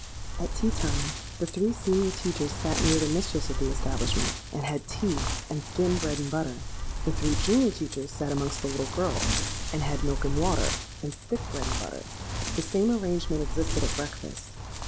"At tea time, the three senior teachers sate near the mistress of the establishment, and had tea and thin bread and butter: the three junior teachers sate amongst the little girls, and had milk and water, and thick bread and butter. The same arrangement existed at breakfast.